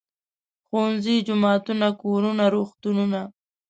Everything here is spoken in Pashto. ښوونځي، جوماتونه، کورونه، روغتونونه.